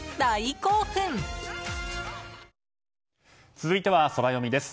続いてはソラよみです。